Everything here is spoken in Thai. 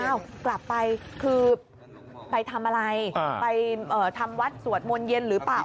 กลับไปคือไปทำอะไรไปทำวัดสวดมนต์เย็นหรือเปล่า